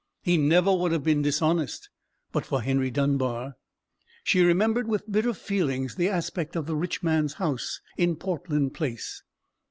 "He never would have been dishonest but for Henry Dunbar." She remembered with bitter feelings the aspect of the rich man's house in Portland Place.